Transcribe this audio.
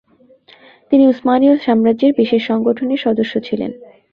তিনি উসমানীয় সাম্রাজ্যের বিশেষ সংগঠনের সদস্য ছিলেন।